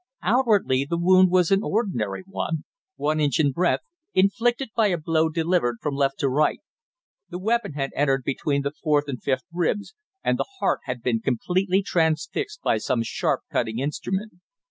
Outwardly, the wound was an ordinary one, one inch in breadth, inflicted by a blow delivered from left to right. The weapon had entered between the fourth and fifth ribs, and the heart had been completely transfixed by some sharp cutting instrument.